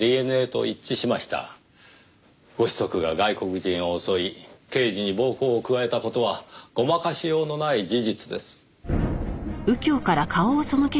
ご子息が外国人を襲い刑事に暴行を加えた事はごまかしようのない事実です。